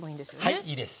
はいいいです。